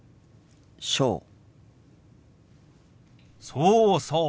そうそう。